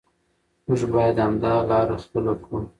موږ باید همدا لاره خپله کړو.